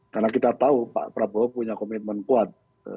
karena kita tahu pak prabowo punya komitmen kuat